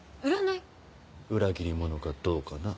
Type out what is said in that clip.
裏切り者かどうかな。